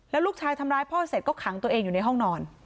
แล้วลูกชายทำร้ายพ่อเสร็จก็ขังตัวเองอยู่ในห้องนอน